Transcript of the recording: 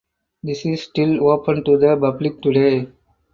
This is still open to the public today.